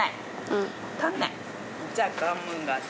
うん。